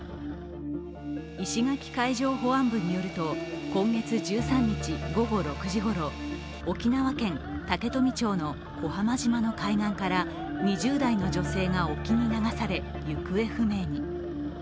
石垣海上保安部によると、今月１３日午後６時ごろ、沖縄県竹富町の小浜島の海岸から２０代の女性が沖に流され行方不明に。